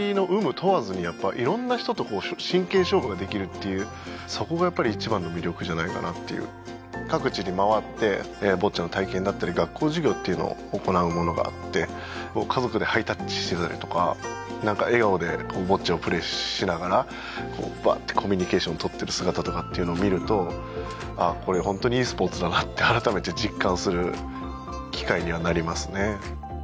問わずにやっぱ色んな人と真剣勝負ができるっていうそこがやっぱり一番の魅力じゃないかなっていう各地にまわってボッチャの体験だったり学校授業っていうのを行うものがあって家族でハイタッチしてたりとかなんか笑顔でボッチャをプレーしながらコミュニケーションをとってる姿とかっていうのを見るとああこれ本当にいいスポーツだなって改めて実感する機会にはなりますね